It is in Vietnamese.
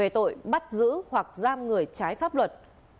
tội bắt giữ hoặc giam người trái pháp luật